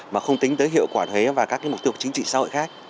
mà không tính tới hiệu quả thuế và các mục tiêu chính trị xã hội khác